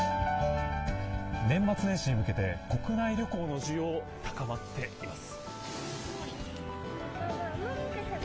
年末年始に向けて、国内旅行の需要、高まっています。